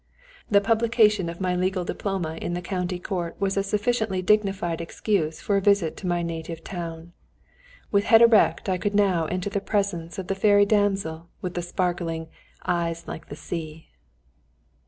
The publication of my legal diploma in the county court was a sufficiently dignified excuse for a visit to my native town. With head erect I could now enter the presence of the fairy damsel with the sparkling "eyes like the sea."